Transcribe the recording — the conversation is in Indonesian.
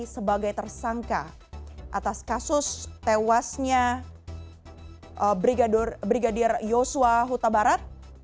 sebagai tersangka atas kasus tewasnya brigadir joshua hutabarat